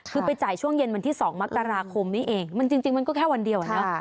คือไปจ่ายช่วงเย็นวันที่๒มกราคมนี้เองมันจริงมันก็แค่วันเดียวอะเนาะ